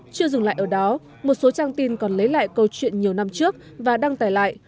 chưa dừng lại ở đó một số trang tin còn lấy lại câu chuyện nhiều năm trước và đăng tải lại